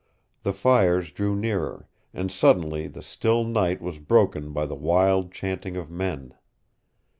The fires drew nearer, and suddenly the still night was broken by the wild chanting of men.